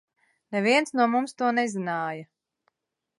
Neviens no mums to nezināja.